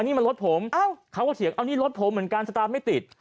นี่มันรถผมเขาก็เถียงเอานี่รถผมเหมือนกันสตาร์ทไม่ติด